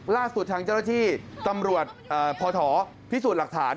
ล่าสุดทางเจ้าหน้าที่ตำรวจพอถอพิสูจน์หลักฐาน